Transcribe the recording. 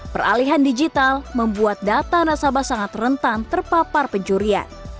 peralihan digital membuat data nasabah sangat rentan terpapar pencurian